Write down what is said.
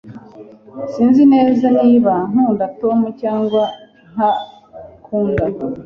Sinzi neza niba nkunda Tom cyangwa ntakunda.